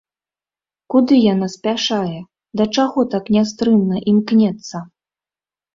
Куды яна спяшае, да чаго так нястрымна імкнецца?